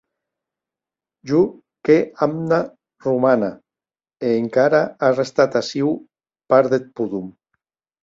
Jo qu’è amna romana, e encara a restat aciu part deth podom.